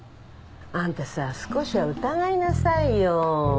あんたさ少しは疑いなさいよ。